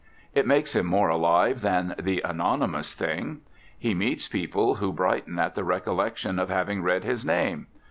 It makes him more alive than the anonymous thing. He meets people who brighten at the recollection of having read his name.